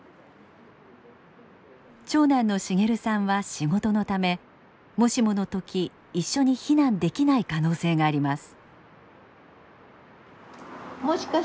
長男の茂さんは仕事のためもしもの時一緒に避難できない可能性があります。